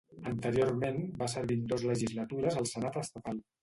Anteriorment va servir en dos legislatures al Senat estatal.